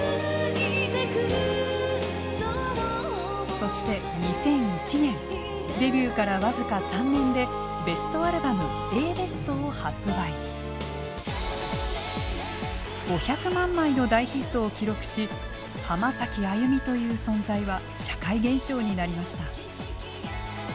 そして２００１年デビューから僅か３年で５００万枚の大ヒットを記録し「浜崎あゆみ」という存在は社会現象になりました。